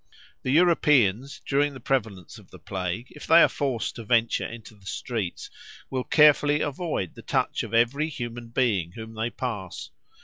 The Europeans during the prevalence of the plague, if they are forced to venture into the streets, will carefully avoid the touch of every human being whom they pass.